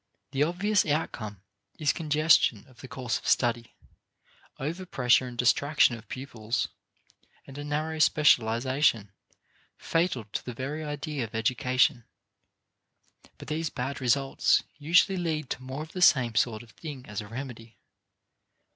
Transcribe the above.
The obvious outcome is congestion of the course of study, overpressure and distraction of pupils, and a narrow specialization fatal to the very idea of education. But these bad results usually lead to more of the same sort of thing as a remedy.